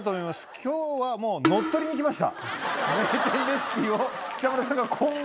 きょうはもう、乗っ取りにきました。